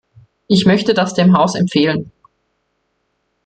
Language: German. Ich möchte das dem Haus empfehlen.